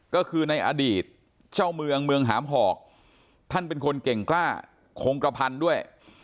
ก็คือในอดีตเจ้าเมืองเมืองหามหอกท่านเป็นคนเก่งกล้าคงกระพันด้วย